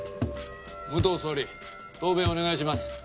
武藤総理答弁をお願いします。